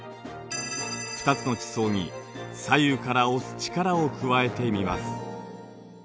２つの地層に左右から押す力を加えてみます。